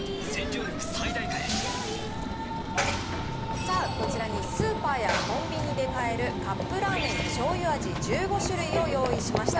さあ、こちらにスーパーやコンビニで買えるカップラーメンしょうゆ味１５種類を用意しました。